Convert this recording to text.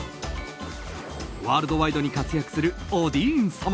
ワールドワイドに活躍するおディーン様。